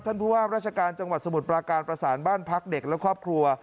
ท่านผู้ห้ามรัชกาลจังหวัดสมุทรประการประสานบ้านพลักษณ์เด็กและครอบครัว